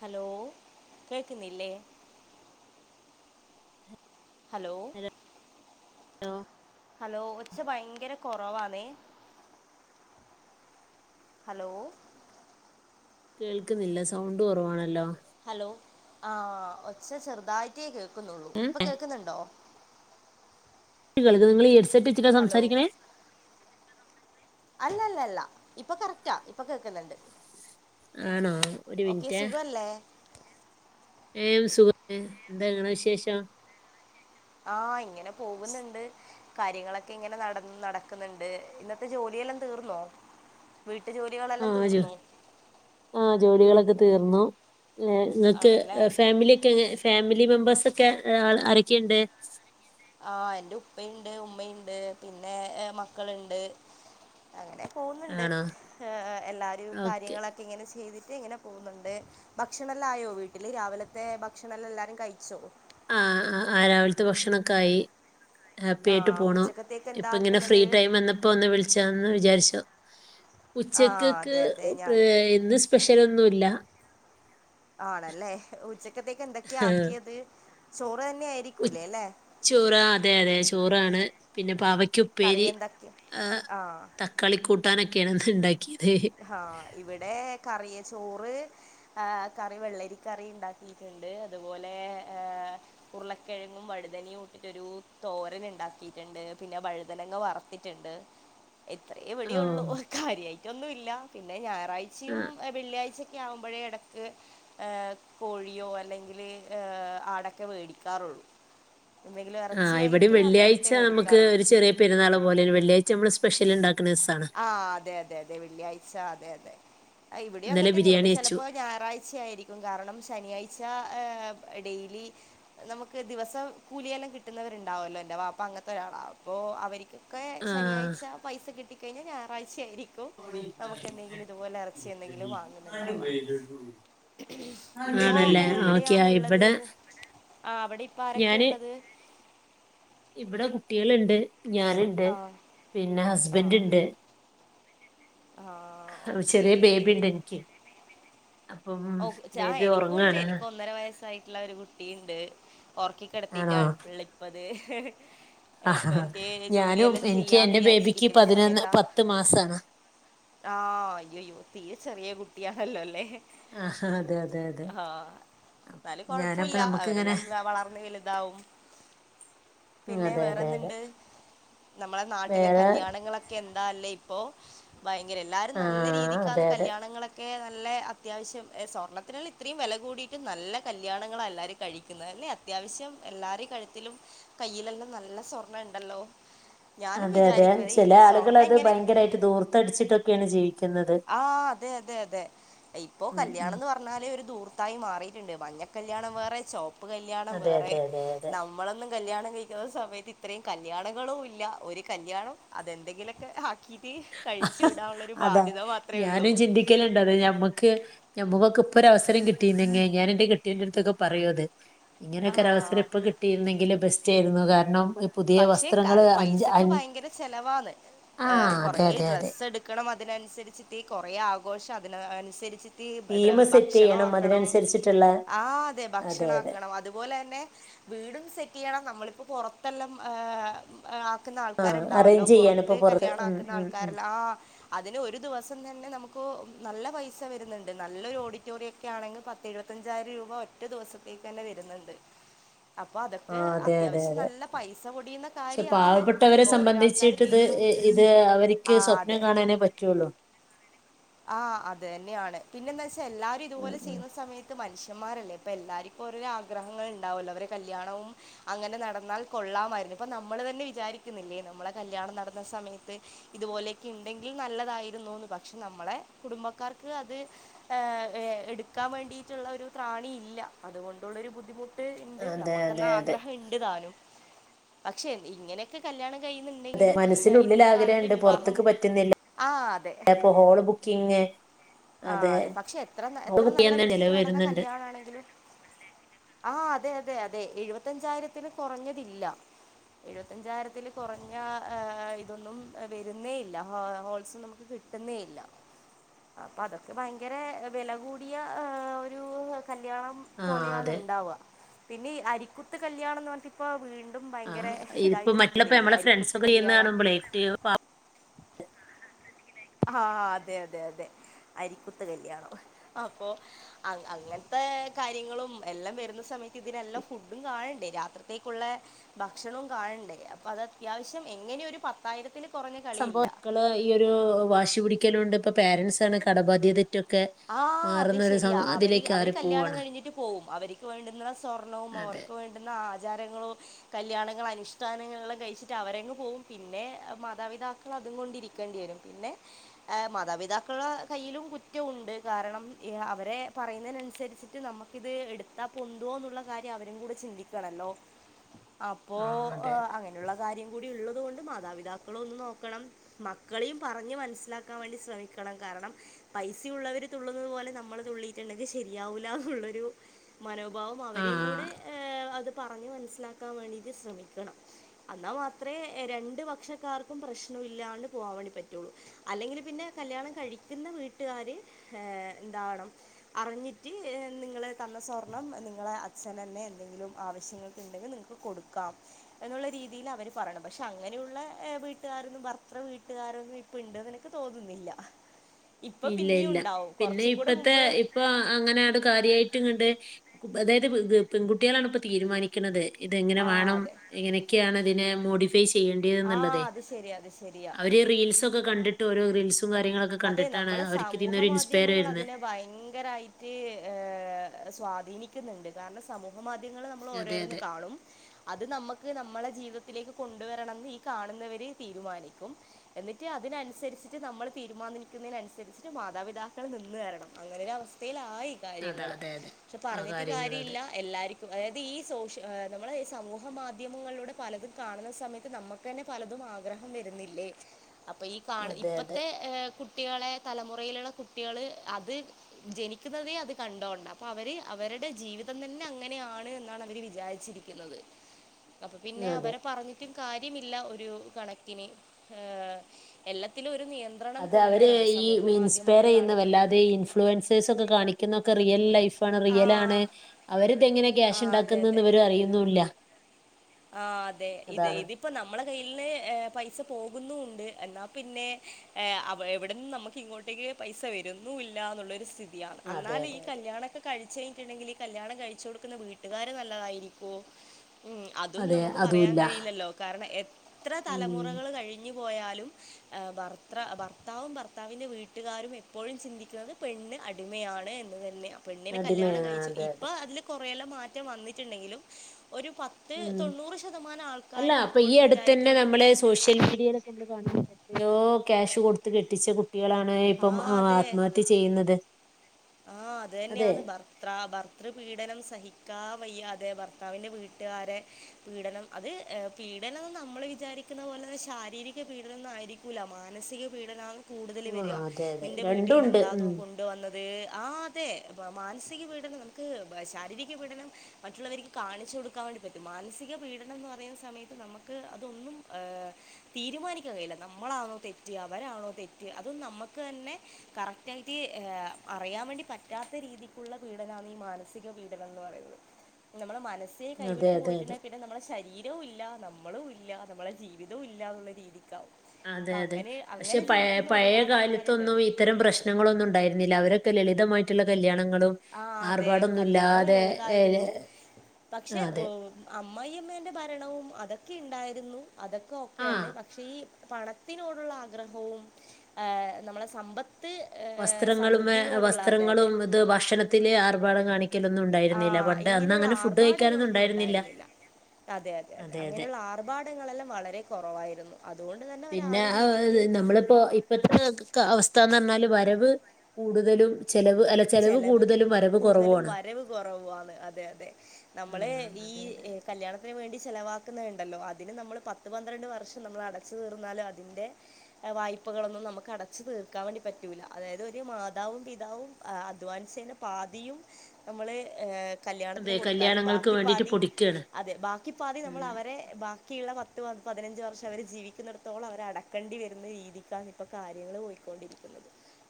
Hello കേക്കുന്നില്ലേ hello hello ഒച്ച ഭയങ്കര കൊറവാന്നേ ഹലോ കേൾക്കുന്നില്ല സൗണ്ട് കൊറവാണല്ലോ ഹലോ ആ ഒച്ച ചെറുതായിട്ടേ കേക്കുന്നുള്ളൂ. ഏ ഇപ്പൊ കേക്കുന്നുണ്ടോ? കേൾക്ക്ന്ന് ഇങ്ങള് ഹെഡ് സെറ്റ് ഹലോ അല്ലല്ലല്ല. ഇപ്പൊ കറക്റ്റാ ഇപ്പൊ കേക്ക്ന്ന്ണ്ട്. ആണോ ഒരു ഓക്കെ സുഖല്ലേ ഏം സുഖന്നെ എന്താ ഇങ്ങളെ വിശേഷം ആഹ് ഇങ്ങനെ പോകുന്നുണ്ട്. കാര്യങ്ങളൊക്കെ ഇങ്ങനെ നട നടക്ക്ന്ന്ണ്ട്. ഇന്നത്തെ ജോലിയെല്ലാം തീർന്നോ? വീട്ട് ജോലികളെല്ലാം തീർന്നോ? ആഹ് ജോലികളൊക്കെ തീർന്നു. അ ഇങ്ങക്ക് ആണല്ലേ ഫാമിലി ഒക്കെ ഫാമിലി മെമ്പേഴ്സ് ഒക്കെ ആരെക്കെണ്ട്? ആഹ് എന്റെ ഉപ്പയ്ണ്ട് ഉമ്മയ്ണ്ട് പിന്നെ മക്കള്ണ്ട്. അങ്ങനെ പോവ്ന്നുണ്ട്. ആണോ എല്ലാരി ഓക്കെ കാര്യങ്ങളൊക്കെ ഇങ്ങനെ ചെയ്തിട്ട് ഇങ്ങനെ പോവുന്നുണ്ട്. ഭക്ഷണല്ലം ആയോ വീട്ട്ല്. രാവിലത്തെ ഭക്ഷണംല്ലാം എല്ലാരും കഴിച്ചോ? ആഹ് ആഹ് രാവിൽത്തെ ഭക്ഷണൊക്കെ ആയി. ഹാപ്പി ആയിട്ട് ആഹ് പോണു. ഉച്ചക്കത്തേക്ക് ഇപ്പ എന്താ ഇങ്ങനെ ഫ്രീ ആക്കുന്നത് ടൈം വന്നപ്പോ ഒന്ന് വിളിച്ചാന്ന് വിചാര്ച്ചു. ആഹ് ഉച്ചക്കക്ക് അതെ അതെ ഞാനും ഇന്ന് സ്പെഷ്യലൊന്നുല്ല. ആണല്ലേ ഉച്ചക്കത്തേക്ക് എന്തൊക്കെയാ ആക്കിയത്. ചോറ് തന്നെ ആ ഉച്ച് ചോറ് അതെ അതെ ചോറാണ് പിന്നെ പാവയ്ക്ക് കറി ഉപ്പേരി എന്തൊക്കെ ആ ആഹ് തക്കാളി കൂട്ടാനൊക്കെയാണ് ഇന്ന് ഇണ്ടാക്കിയത്. ആഹ് ഇവിടെ കറിയ ചോറ് ഏ കറി വെള്ളരിക്കറി ഇണ്ടാക്കിയിട്ട്ണ്ട് അതുപോലെ ഉരുളക്കെഴങ്ങും വഴുതനും ഇട്ടിട്ടൊരു തോരൻ ഇണ്ടാക്കിയിട്ട്ണ്ട്. പിന്നെ വഴുതനങ്ങ വറത്തിട്ട്ണ്ട്. ഇത്രേ ഇവിടെ ഓ ഒള്ളൂ. ഒരു കാര്യയിറ്റൊന്നുംല്ല. പിന്നെ ആ ഞായറാഴ്ചയും വെള്ളിയാഴ്ചൊക്കെ ആവുമ്പോഴേ എടക്ക് കോഴിയോ അല്ലെങ്കില് ആടൊക്കെ വേടിക്കാറുള്ളൂ. എന്തെങ്കിലും ആ, എറച്ചിയായിട്ട് അന്നേരത്തെേ മേടിക്കാറുള്ളൂ പെരുന്നാള് പോലെ വെള്ളിയഴ് നമ്മള് സ്പെഷ്യല് ഇണ്ടാക്കണീസ് ആഹ് അതെ അതെ അതെ വെള്ളിയാഴ്ച അതെ അതെ ഇവിടെ അങ്ങെ ഇന്നലെ തന്നെ ഇവിടെ ബിരിയാണി വെച്ചു ചെലപ്പോ ഞായറാഴ്ചയായിരിക്കും കാരണം ശനിയാഴ്ച ഏഹ് ഡെയിലി നമുക്ക് ദിവസം കൂലിയെല്ലാം കിട്ടുന്നവരുണ്ടാവോല്ലോ ഇന്റെ വാപ്പ അങ്ങനത്തെ ഒരാളാ അപ്പൊ അവര്ക്ക് ക്ക് ആ ശനിയാഴ്ച പൈസ കിട്ടി കഴിഞ്ഞാൽ ഞായറാഴ്ചയായിരിക്കും ക്ക് നമുക്ക് എന്തെങ്കിലും ഇതുപോലെ എറച്ചി എന്തെങ്കിലും വാങ്ങുന്നുണ്ടാവാ ഇപ്പോ ആണല്ലേ ഓക്കെ എവിടെയാന്ന്ള്ളത് ഇവിടെ ആഹ് അവിടെപ്പ ആരൊക്കെയ ഞാന് ഉള്ളത് ഇവിടെ കുട്ടികളുണ്ട് ഞാനുണ്ട് ആ പിന്നെ ഹസ്ബന്റ്ണ്ട് ആഹ് ഓക്കേ ചെറിയ ബേബി ഉണ്ട് എനിക്ക് അപ്പം ഓ ചാ ബേബി എനിക്കും ഉണ്ട് ഉറങ്ങാണ് എനിക്ക് ഒന്നര വയസ്സായിട്ടുള്ള ഒരു കുട്ടിയുണ്ട് ഒറക്കി കെടത്തീട്ട ആണോ പിള്ളിപ്പത് ഇപ്പൊ ആഹ്. എനിക്ക് ഞാനും ജോലിയെല്ലാം എനിക്ക് ചെയ്യാന്ന് എന്റെ ബേബിക്ക് വിചാരിച്ചിരിക്കുന്ന പതിനൊന്ന് സമയത്താ പത്ത് മാസാണ് ആഹ് അയ്യയ്യോ തീരെ ചെറിയ കുട്ടിയാണല്ലോല്ലെ ആഹാ അതെ അതെ അതെ ആഹ് ന്നാലും ഞാനപ്പ കൊഴപ്പല്ല നമുക്കിങ്ങനെ അവരെല്ലാം വളർന്ന് വലുതാവും ഉം, പിന്നെ അതെ അതെ അതെ വേറെന്തുണ്ട് നമ്മളെ നാട്ടിലെ വേറെ കല്യാണങ്ങളൊക്കെ ക്കെന്താലെ ഇപ്പോ ഭയങ്കര എല്ലാരും നല്ല ആഹ് രീതിക്കാണ് അതെ അതെ കല്യാണങ്ങളൊക്ക ക്കെ നല്ല അത്യാവശ്യം ഏഹ് സ്വർണ്ണത്തിനൽ ഇത്രയും വില കൂടിയിട്ടും നല്ല കല്യാണങ്ങളാ എല്ലാവരും കഴിക്കുന്നത് അല്ലെ അത്യാവശ്യം എല്ലാരെ കഴുത്തിലും കയ്യിലെല്ലാം നല്ല സ്വർണ ഇണ്ടല്ലോ? അതെ അതെ ചെല ആളുകള് അത് ഭയങ്കരായിട്ട് ധൂർത്തടിച്ചിട്ടൊക്കെയാണ് ജീവിക്കുന്നത്. ആഹ് അതെ അതെ അതെ ഇപ്പോ ഉം കല്ല്യാ ഉം ല്യാണന്ന് പറഞ്ഞാല് ഒരുധൂർത്തായി മാറിയിട്ടുണ്ട് മഞ്ഞ കല്യാണം വേറെ ചോ പ്പുകല്ല്യാണം അതെ വേറെ അതെ അതെ അതെ നമ്മളൊന്നും കല്ല്യാണം കഴിക്കുന്ന സമയത്ത് ഇത്രയും കല്ല്യാണങ്ങളും ഇല്ല ഒരു കല്ല്യാണം അതെന്തെങ്കിലൊക്കെ ആ ക്കീട്ട് കഴിച്ചു വിടാനുള്ള ഒരു ബാധ്യത മാത്രേ ഉള്ളൂ. രിക്കലുണ്ടത് ഞമ്മക്ക് ഞമ്മക്കൊക്കെ ഇപ്പൊരു അവസരം കിട്ടിന്നെങ്കി ഞാൻ എന്റെ കെട്ടിയോന്റെ അടുത്തൊക്കെ പറയും അത് ആ ഇങ്ങനൊക്കെ ഒരവസരം ഇപ്പൊ കിട്ടിയിരുന്നെങ്കില് ബെസ്റ്റ് ആയിരുന്നു കാരണം ഇപ്പ് പക്ഷെ ക പൈസക്ക് ഭയങ്കര ചെലവാന്ന് ആഹ് ഏഹ് കൊറെ അതെ അതെ അതെ ഡ്രസ്സ് എടുക്ക ക്കണം അതിനനുസരിച്ചിട്ട് കൊറേ ആഘോഷം അതിനനുസരിച്ച് ട്ട് തീം സെറ്റ് ഭക്ഷണോം ചെയ്യണം ആക്കണം അതിനനുസരിച്ചിട്ടുള്ള ആഹ് അതെ ഭക്ഷണാക്കണം അതുപോലെ തന്നെ വീടുംസെറ്റ് ചെയ്യണം നമ്മളിപ്പോൾ പുറത്തെല്ലാം ഏഹ് ആക്കുന്ന ആഹ് ആൾക്കാരുണ്ടാവല്ലോ അറേഞ്ച് ചെയ്യാണ് ഇപ്പൊ പുറത്ത് കല്യാണ ഉം ആക്കുന്ന ഉം ഉം ആൾക്കാരെല്ലാം ആഹ് അതിന് ഒരു ദിവസം തന്നെ നമ്മുക്ക് നല്ല പൈസ വരുന്നുണ്ട് നല്ലൊരു ഓഡിറ്റോറിയം ഒക്കെ ആണെങ്കിൽ പത്ത് എഴുപത്തഞ്ചായിരം രൂപ ഒറ്റ ദിവസത്തേക്ക് തന്നെ വരുന്നുണ്ട്. അപ്പൊ അതൊക്കെ അത്യാവശ്യം നല്ല പൈസ പൊടിയുന്ന പക്ഷേ കാര്യമാണ് പാവപ്പെട്ടവരെ അതൊക്കെ ഓരോരോ ആൾക്കാർ സംബന്ധിച്ചിട്ട് ഇത് തീരുമാനിക്കുന്നത് ഇത് അവർക്ക് ആ സ്വപ്നം അതെ കാണാ നേ പറ്റൊള്ളു. ആഹ് അതെന്നെയാണ് പിന്നെന്താച്ചാ എല്ലാരും ഉം ഇതുപോലെ ഉം ചെയ്യുന്ന സമയ ത്ത് മനുഷ്യന്മാരല്ലേ ഇപ്പം എല്ലാർക്കും ഓരോരോ ആഗ്രഹങ്ങൾ ഇണ്ടാവോല്ലോ. ഇവരെ കല്ല്യാണം അങ്ങനെ നടന്നാൽ കൊള്ളാമായിരുന്നു. ഇപ്പൊ നമ്മള് തന്നെ വിചാരിക്കുന്നില്ലേ നമ്മടെ കല്യാണം നടന്ന സമയത്ത് ഇതുപോലെക്കെ ഇണ്ടെങ്കിൽ നല്ലതായിരുന്നുന്ന് പക്ഷെ നമ്മളെ കുടുംബക്കാർക്ക് അത് ആഹ് ഏഹ് എടുക്കാൻ വേണ്ടിയിട്ടുള്ള ഒരു ത്രാണി ഇല്ല അതുകൊണ്ടുള്ളൊരു ബുദ്ധിമു ട്ട്ണ്ട് അതെ അതെ അതെ നമ്മുക്കെന്നാഗ്രഹം ഇണ്ട് താനും പക്ഷെ ഇങ്ങനെ ക്കെ കല്യാണം അതെ കഴിയുന്നുണ്ടെങ്കിലും മനസ്സിനുള്ളിൽ ഇന്നത്തെ കാലത്തെ ആഗ്രഹമുണ്ട് വിവാഹമോ ആഹ് അതെ. അപ്പൊ ഹോള് ബു ക്കിങ്ങ് ആഹ് അതെ പക്ഷെ എത്ര എത്ര നല്ല ചെയ്യാൻ തന്നെ വൃത്തിക്ക് ചിലവ് നടന്ന വരുന്നുണ്ട് കല്യാണം ആണെങ്കിലും ആഹ് അതെ അതെ അതെ എഴുപത്തഞ്ചായിരത്തിന് കൊറഞ്ഞതില്ല. എഴുപത്തഞ്ചായിരത്തിൽ കുറഞ്ഞ ഇതൊന്നും വരുന്നേ ഇല്ല ഹോൾസ് നമ്മുക്ക് കി ട്ടുന്നേയില്ല. അപ്പ അതൊക്കെ ഭയങ്കര വില കൂടിയ ഒരു കല്ല്യാണം ആഹ് പോലെയാണ് അതെ ഉണ്ടാവുക പിന്നെ ഈ അരിക്കുത്ത് കല്യാണംന്ന് പറ ഇപ്പൊ വീണ്ടും ഭയങ്കര ആഹ് ഇതിപ്പോ ഇതായിട്ട് മറ്റുള്ളപ്പോ നിക്കുന്നില്ലേ നമ്മളെ ഫ്രണ്ട്സ് അരിക്കുത്ത് ഒക്കെ ചെയ്യുന്ന കല്യാണം കാണുമ്പോളേ കുട്ടിക ആഹ് അതെ അതെ അതെ അരിക്കുത്ത് കല്യാണം അപ്പൊ അ അങ്ങനത്തെ കാര്യങ്ങളും എല്ലാം വരുന്ന സമയത്ത് ഇതിനെല്ലാം ഫുഡും കാണണ്ടേ രാത്രിത്തേക്കുള്ള ഭക്ഷണവും കാണണ്ടേ അപ്പൊ അത് അത്യാവശ്യം എങ്ങനെയൊ ഒരു പത്ത് ത്തായിരത്തിന് കുറഞ്ഞ കളിയില്ല സംഭവം മക്കള് ഈ ഒരു വാശി പിടിക്കലുണ്ട് ഇപ്പൊ പേരന്റ്സ് ഒക്കെ കടബാധ്യത തെറ്റൊക്കെ ആഹ് അത് ശരിയാ അവര് അവര് കല്യാണം പോവാണ് കഴിഞ്ഞിട്ട് പോവും അവർക്ക് വേണ്ടുന്ന സ്വർണ്ണവും അതെ അവർക്ക് വേണ്ട ന്ന ആചാരങ്ങളോ കല്യാണങ്ങൾ അനുഷ്ഠാനങ്ങള് കഴിച്ചിട്ട് അവരെങ്ങ് പോകും പിന്നെ മാതാപിതാക്ക ക്കൾ അതും കൊണ്ടിരിക്കേണ്ടി വരും പിന്നെ മാതാപിതാക്കളുടെ കയ്യിലും കുറ്റ ഉ ണ്ട് കാരണം അവരെ പറയുന്നതിനനുസരിച്ചിട്ട് നമുക്കിത് എടുത്താൽ പൊന്തോ എന്നുള്ള കാര്യം അവരും കൂടെ ചിന്തി ക്കണല്ലോ അപ്പോ ആ അതെ അതെ അങ്ങനെ അങ്ങുള്ള കാര്യം കൂടി ഉള്ളത് കൊണ്ട് മാതാപിതാക്കള്ഒന്നും നോക്കണം. മക്കളെയും പറഞ്ഞു മനസ്സിലാക്കാൻ വേണ്ടി ശ്രമിക്കണം കാരണം പൈസ ഉള്ളവര് തുള്ളുന്നത് പോലെ നമ്മള് തുള്ളിട്ടുണ്ടെങ്കിൽ ശരിയാവൂല എന്നുള്ളൊരു മനോഭാവം ആ അവരെയും കൂടെ അത് പറഞ്ഞു മനസ്സിലാക്കാൻ വേണ്ടിട്ട് ശ്രമിക്കണം എന്നാൽ മാത്രമേ രണ്ടു പക്ഷക്കാർക്കും പ്രശ്നം ഇല്ലാണ്ട് പോവാൻ വേണ്ടി പറ്റുള്ളു അല്ലെങ്കിൽ പിന്നെ കല്യാണം കഴിക്കുന്ന വീട്ടുകാര് ഏ എന്താവണം അറിഞ്ഞിട്ട് നിങ്ങള്ൾ തന്ന സ്വർണം അറിഞ്ഞിട്ട് നിങ്ങളെ തന്ന സ്വർണ്ണം നിങ്ങടെ അച്ഛനന്നെ എന്തെങ്കിലും ആവശ്യങ്ങൾക്ക് ഇണ്ടെങ്കിൽ നിങ്ങൾക്ക് കൊടുക്കാം. എന്നുള്ള രീതിയിൽ അവര് പറയണം പക്ഷെ അങ്ങനെയുള്ള വീട്ടുകാർക്ക് ഭർതൃവീട്ടുകാരെന്നും പ്പ ഇണ്ട്നിക്ക് തോന്നുന്നില്ല ഇപ്പൊ പി ഇല്ല ഇല്ല പിന്നെ ഇപ്പത്തെ ഇപ്പൊ അങ്ങനെ ഒരു കാര്യമായിട്ടും കണ്ട് അതായത് പെൺകുട്ടികളാണ് ഇപ്പോ തീരുമാനി ക്കിനത് ഇതെങ്ങനെ ആ വാണം അതെ എങ്ങനെയൊക്കെ ആണ് ഇതിനെ മോഡി ഫൈ ചെയ്യേണ്ടത്എന്ന് ആ ഇള്ളതൈ അത് ശരിയാ അത് ശരിയാ അവര് റീൽസൊക്കെ കണ്ടിട്ട് ഓരോ റീൽസും കാര്യങ്ങളൊക്കെ അതെ കണ്ടിട്ടാണ് അവർക്ക് ഇതിൽന്നന്ന് ഒരു ഇൻസ്പയർ വരുന്നത് ഭയങ്കരമായിട്ട് സ്വാധീനിക്കുന്നുണ്ട് കാരണം സമൂഹ മാധ്യമങ്ങളിൽ നമ്മൾ അതെ ഓരോരുന്ന് അതെ കാണും അത് നമ്മുക്ക് നമ്മളെ ജീവിതത്തിലേക്ക് കൊണ്ടുവരണന്ന് ഈ കാണുന്നവര് തീരുമാനിക്കും എന്നിട്ട് അതിനനുസരിച്ചിട്ട് നമ്മൾ തീരുമാനിക്കുന്നതിന് അനുസരിച്ച് മാതാപിതാക്കൾ നിന്ന് തരണം അങ്ങനെ ഒരു അവസ്ഥയിലായി അതാ കാര്യങ്ങള് അതെ അതെ പക്ഷെ ആ പറഞ്ഞിട്ട് കാര്യങ്ങൾ കാര്യ അതെ ഇല്ല എല്ലാർക്കും അതായത് ഈ സോഷ്യ നമ്മൾ സമൂഹ മാധ്യമങ്ങളിലൂടെ പലതും കാണുന്ന സമയത്ത് നമുക്ക് ക്കെന്നെ പലതും ആഗ്രഹം വരുന്നില്ലേ അപ്പൊ ഈ കാണുന്ന അതെ ഇപ്പ അതെ ഹേ കുട്ടിയാളെ തലമുറയിലുള്ള കുട്ടിയള് അത് ജനിക്കുന്നതേ അത് കണ്ടോണ്ട അപ്പൊ അവര് അവരുടെ ജീവിതം തന്നെ അങ്ങനെയാണ് എന്നാണ് അവര് വിചാരിച്ചിരിക്കുന്നത് ക്കിനത് അപ്പൊ പിന്നെ അതെ അവരെ പറഞ്ഞ് ട്ട് കാര്യമില്ല ഒരു കണക്കിന് എല്ലാത്തിലും ഒരു നിയന്ത്രണം അത് അവര് കൊണ്ടുവരണം ഈ സമൂഹ ഇൻസ്പയർ ചെയ്യുന്ന മാധ്യമങ്ങളിലാണെങ്കിലും വല്ലാതെ ഇൻഫ്ലുവാൻസെഴ്സ് കാണിക്കുന്നൊക്കെ റിയൽ ലൈഫണ് ആ റിയലാണ് അവർക്കിതങ്ങനെ ആ ക്യാഷ് അതെ ഇണ്ടാക്കുന്നു എന്ന് ഇവർ അറിയുന്നുമില്ല ആഹ് അതെ ഇത അതാണ് ഇത് ഇപ്പൊ നമ്മളുടെ കയ്യിൽന്ന് പൈസ പോകുന്നു ഉണ്ട് എന്നാ പിന്നെ എവിടെന്ന് നമുക്ക് ഇങ്ങോട്ട് പൈസ വരുന്നുല്ല എന്നുള്ളൊരു സ്ഥിതിയാണ് അതെ അന്നാല് അതെ ഈ അതെ കല്യാണക്ക് കഴിച്ച് കഴിഞ്ഞട്ടുണ്ടെങ്കിൽ കല്യാണം കഴിച്ചു കൊടുക്കുന്ന വീട്ടുകാർ നല്ലതായിരിക്കോ മ്മ് അതും അതെ നമുക്ക് പറയാൻ അതുമില്ല കഴിയില്ലല്ലോ കാരണം എത്ര ഉം തലമുറകൾ കഴിഞ്ഞു പോയാലും ഏഹ് ഭർത്താവും ഭർത്താവിന്റെ വീട്ടുകാരും എപ്പോഴും ചിന്തിക്കുന്നത് പെണ്ണ് അടി ടിമയാണ് എന്ന് തന്നെയാണ് പെണ്ണിനെ അടിമ കല്യാണം കഴിച്ചു അതെ ഇപ്പ അതെ അതില് കുറെയല്ലാം മാറ്റം വന്നിട്ടുണ്ടെങ്കിലും ഒരു പത്ത് ത് ഉം തൊണ്ണൂറ് ശതമാനം അല്ല ആൾക്കാരും അപ്പൊ ഈ ഇപ്പോഴും അടുത്ത് തന്നെ വിചാരിക്കുന്നത് നമ്മള് സോഷ്യൽ മീഡിയയിലൊക്കെ നമ്മൾ കാണ എത്രയോ ക്യാഷ് കൊടുത്ത് കെട്ടിച്ച കുട്ടി കുട്ടികളാണ് ആ ഇപ്പം അതെ ആത്മഹത്യ ചെയ്യുന്നത് ആഹ് അത് അതെ തന്നെയാന്ന് ഭർത്ത് ഭർത്ര ഭർതൃപീഡനം സഹിക്കാൻ വയ്യാതെ അതെ ഭർത്താവിന്റ വീട്ടുകാരെ പീഡനം അത് പീഡനം നമ്മൾ വിചാരിക്കുന്ന പോലെ ശാരീരിക പീഡനംഒന്നും ആയിരിക്കി കുല മാനസിക പീഡനമാണ് കൂടുതൽ ആ വരിക അതെ അതെ നിന്റെ രണ്ടും വീട്ടിൽ ഉണ്ട് എന്താ ഉം കൊണ്ടുവന്നത് അഹ് ആതെ മാനസിക പീഡനം നമുക്ക് ശാരീരികപീഡനം മറ്റുള്ളവർക്ക് കാണിച്ചു കൊടുക്കാൻ വേണ്ടി പറ്റും മാനസിക പീഡനം എന്ന് പറയുന്ന സമയത്ത് നമുക്ക് അതൊന്നും ഏഹ് തീരുമാനിക്കാൻ കഴിയില്ല നമ്മളാണോ തെറ്റ് അവരാണോ തെറ്റ് അതൊ നമ്മുക്ക് തന്നെ കറക്റ്റ് ആയിട്ട് ഏഹ് അറിയാൻ വേണ്ടി പറ്റാത്ത രീതിക്കുള്ള പീഡനാണ് ഈ മാനസിക പീഡനം എന്ന് പറയുന്നത് നമ്മുടെ മനസ് സെ അതെ കൈവിട്ടു അതെ അതെ പോയിട്ടില്ല പി ന്നെ നമ്മളെ ശരീരവുല്ല നമ്മളുല്ല നമ്മുടെ ജീവിതുല്ല എന്ന്ള്ള രീതിക്കാവും അതെ അപ്പം അതെ അങ്ങനെ പക്ഷെ അങ്ങനെ പഴെ ജീവിക്കുന്ന പഴെ ഒരുപാട് ആൾക്കാരുണ്ട് കാലത്തൊന്നും ഇത്തരം പ്രശ്നങ്ങളൊന്നു ണ്ടായിരുന്നില്ല അവരൊക്കെ ലളിതമായിട്ടുള്ള കല്യാണങ്ങളും ആ അതെ ആർഭാടൊന്നും കല്യാണവും ഇല്ലാതെ ഏഹ് ലളിതായിരുന്നു പക്ഷേ ഓ അതെ അമ്മയമ്മേന്റെ ഭരണവും അതൊക്കെ ണ്ടായിരുന്നു അതൊക്കെ ഒക്കെ ആ തന്നെ പക്ഷേ ഈ പണത്തിനോടുള്ള ആഗ്രഹവും ഏഹ് നമ്മളെ സമ്പത്ത് ഏഹ് വസ്ത്രങ്ങളും സമൃദ്ധിനോടുള്ള അതെ അതെ വസ്ത്രങ്ങളും ഇത് ഭക്ഷണത്തിലേ ആർഭാടം കാണിക്ക ഇരിക്കലൊന്നും ഉണ്ടായിരുന്നില്ല ആഹ് പണ്ട് അന്ന ഇങ്ങനെയുള്ള അങ്ങനെ ഫുഡ് കഴിക്കാനൊന്നും ആർഭാടങ്ങളൊന്നും ഉണ്ടായിരുന്നില്ല അതെ അതെ അതെ അങ്ങനെള്ള ആർഭാടങ്ങളെല്ലാം വളരെ കുറവായിരുന്നു അതുകൊണ്ട് തൻ പിന്നെ അഹ് അഹ് നമ്മളിപ്പോ ഇപ്പത്തെ ക്കാ അവസ്ഥന്ന് പറഞ്ഞാല് വരവ് കൂടുതലും ചിലവ് അല്ല ചെലവ് കൂടുതലും വരവ് കുറവാണ് കുറവാണ് അതെ അതെ നമ്മള് ഉം ഈ അതെ അതെ കല്യാണത്തിന് വേണ്ടി ചെലവാക്കുന്ന ണ്ടല്ലോ അതിന് നമ്മള് പ പത് പന്ത്രണ്ട് വർഷം നമ്മൾ അടച്ചു തീർന്നാലും അതിൻന്റെ വായ്പകളൊന്നും നമുക്ക് അടച്ച് തീർക്കാൻ വേണ്ടി പറ്റൂല്ല അതായത് ഒരു മാതാവും പിതാവും അധ്വാനചെന്റ പാതിയും നമ്മള് എഹ് കല്യാണത്തിന് അതെ കൊടുത്താലും കല്യാണങ്ങൾക്ക് ബാക്കി വേണ്ടിട്ട് പാതി പൊടിക്കാണ് അതെ ബാക്കി പാതി നമ്മൾ ഉം അവരെ ബ ബാക്കിയുള്ള പത്ത് പതിനഞ്ച് വർഷം അവർ ജീവിക്കുന്നിടത്തോളം അവർ അടക്കണ്ടി വരുന്ന രീതിക്കാണ് ഇപ്പ കാര്യങ്ങൾ പോയിക്കൊണ്ടിരിക്കുന്നത്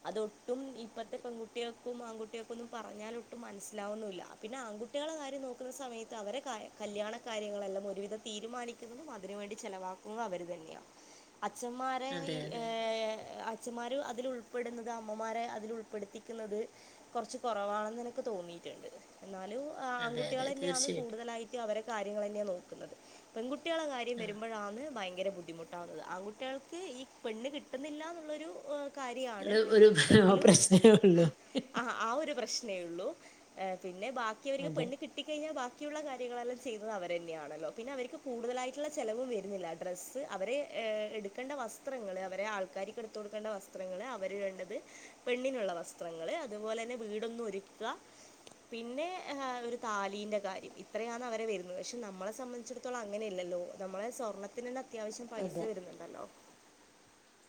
അതൊട്ടും ഇപ്പഴത്തെ പെൺകുട്ടി കുട്ടികൾക്കും ആൺകുട്ടികൾക്കൊന്നും പറഞ്ഞാലോട്ടും മനസ്സിലാവുന്നന്നില്ല പിന്നെ ആൺുട്ടികളെ കാര്യം നോക്കുന്ന സമയത്ത് അവരെ കാര്ം കല്യാണ കാര്യങ്ങളെല്ലാം ഒരുവിധം തീരുമാനിക്കുന്നതും അതിന് വേണ്ടി ചെിലവാക്കുന്നത് അവര് തന്നെയാ അച്ഛന്മാരെ അതെ അതെ അതെ ഏഹ് അച്ഛന്മാര് അതി ഉൾപ്പെടുന്നത് അമ്മമാരെ അതിൽ ഉൾപ്പെടുത്തി ക്ക്‌ന്നത് കുറച്ച് കുറവാണെന്ന് എനിക്ക് തോന്നിയിട്ടുണ്ട് ന്നാലും അതെ ആൺുട്ടികൾ അതെ ന്നെയാണ് തീർച്ചയായിട്ടും കൂടുതലായിട്ട് അവരെ കാര്യങ്ങൾ ന്നെയാ നോക്കുന്നത് പെൺകുട്ടികളെ കാര്യം ആ വരുമ്പോഴാന്ന് ഭയങ്കര ബുദ്ധിമുട്ട് കാവുന്നത് ആൺട്ട്യേൾക്ക് ഈ പെണ്ണ് കിട്ടുന്നില്ല ന്ന്ള്ളൊരു കാര്യാണ് എങ്കിലും ഹ്ഹ് ഉള്ളൂ ആഹ് ആ ഒരു പ്രശ്നേ ഉള്ളൂ പിന്നെ ബാക്കി അവർക്ക് അതെ പെണ്ണ് ക് കിട്ടികഴിഞ്ഞാ ബാക്കിയുള്ള കാര്യങ്ങളെല്ലാം ചെയ്യുന്നത് അവർ ന്നെയാണല്ലോ പിന്നെ അവർ കൂതായിട്ടുള്ള ചിലവ് വരുന്നില്ല ഡ്രസ്സ് അവരെ എടുക്കേണ്ട വസ്ത്രങ്ങള് അവരെ ആൾക്കാർക്ക് എടുത്തുകൊടുക്കേണ്ട വസ്ത്രങ്ങള് അവര്ടേണ്ടത് പെണ്ണിനുള്ള വസ്ത്രങ്ങള് അതുപോലെ തന്നെ വീടൊന്ന് ഒരുക്ക പിന്നെ ഏഹ് ഒര് താലീന്റെ കാര്യം ഇത്രയാണ് അവരെ വെരുന്നത് പക്ഷെ നമ്മളെ സംബന്ധിച്ചട ത്തോളം അങ്ങനല്ലല്ലോ നമ്മളെ സ്വർണ്ണത്തിനെന്ന അത്യാവശ്യം പൈസ അതെ വരുന്നുണ്ടല്ലോ.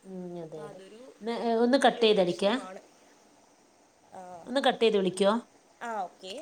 ഉം അപ്പോൾ അതെയതെ അതൊരു ന്ന് എഹ് ഒന്ന് വലിയൊരു കട്ടെയ്തടിക്കെ. പ്രശ്നമാണ് ഒന്ന് കട്ടെയ്ത് വിളിക്കോ? ആഹ് ഓക്കെ